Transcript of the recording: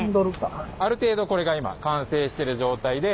ある程度これが今完成してる状態で。